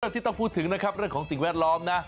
ที่ต้องพูดถึงนะครับเรื่องของสิ่งแวดล้อมนะ